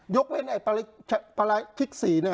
ยกเว้นไอ้ปลาลาภิกษี